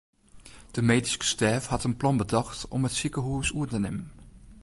De medyske stêf hat in plan betocht om it sikehûs oer te nimmen.